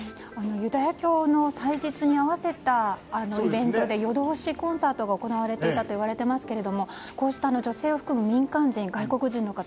ユダヤ教の祭日に合わせたイベントで夜通しコンサートが行われていたといわれていますがこうした女性を含めた民間人外国人の方